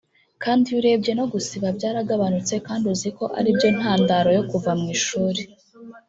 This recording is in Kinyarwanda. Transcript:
Kandi iyo urebye no gusiba byaragabanutse kandi uzi ko ari byo ntandaro yo kuva mu ishuri